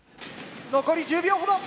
残り１０秒ほど！